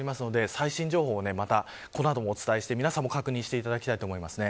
最新情報をこの後もお伝えして皆さんも確認していただきたいです。